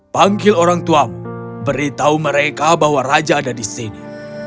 panggil orang tuamu beritahu mereka bahwa raja ada di sini